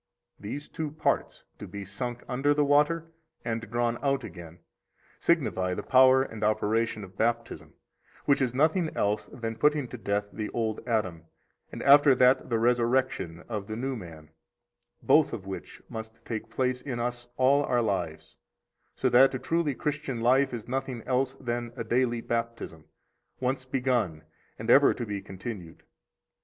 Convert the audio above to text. These two parts, to be sunk under the water and drawn out again, signify the power and operation of Baptism, which is nothing else than putting to death the old Adam, and after that the resurrection of the new man, both of which must take place in us all our lives, so that a truly Christian life is nothing else than a daily baptism, once begun and ever to be continued.